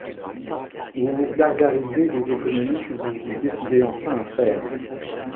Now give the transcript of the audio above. Vous vous gargarisez des économies que vous vous décidez enfin à faire.